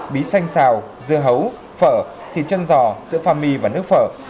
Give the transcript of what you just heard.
bí xanh xào dưa hấu phở thịt chân giò sữa pha mì và nước phở